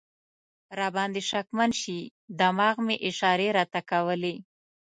را باندې شکمن شي، دماغ مې اشارې راته کولې.